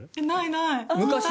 ない、ない。